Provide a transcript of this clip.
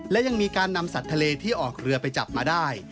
และยังมีการนำสัตว์ทะเลที่ออกเรือไปจับมาได้